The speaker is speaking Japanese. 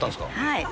はい。